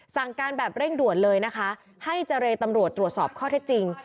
สั่งการแบบเร่งด่วนเลยนะคะให้เจรตำรวจตรวจสอบข้อเท็จจริง